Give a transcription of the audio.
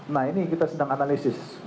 nah ini kita sedang analisis